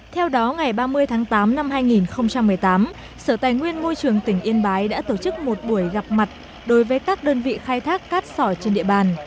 theo đó ngày ba mươi tháng tám năm hai nghìn một mươi tám sở tài nguyên môi trường tỉnh yên bái đã tổ chức một buổi gặp mặt đối với các đơn vị khai thác cát sỏi trên địa bàn